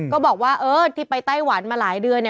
ก็บอกว่าที่ไปไต้หวันมาหลายเดือน